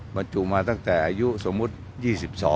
บรรจุมาตั้งแต่อายุสมมุติ๒๒